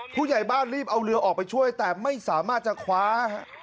ผู้ใหญ่บ้านรีบเอาเรือออกไปช่วยแต่ไม่สามารถจะคว้าฮะ